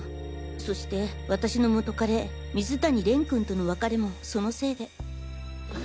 そして私の元カレ水谷君との別れもそのせいで。